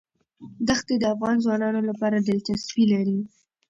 ښتې د افغان ځوانانو لپاره دلچسپي لري.